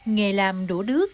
nghề làm đũa đứa